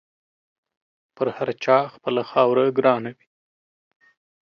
پر هر چا خپله خاوره ګرانه وي.